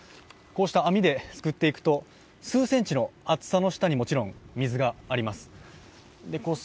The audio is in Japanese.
網ですくっていくと数センチの厚さの下に水があります。